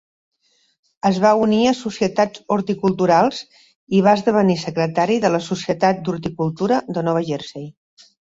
Es va unir a societats horticulturals i va esdevenir secretari del la Societat d'Horticultura de Nova Jersey.